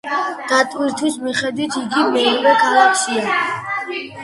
დატვირთვის მიხედვით, იგი მერვეა ქალაქში.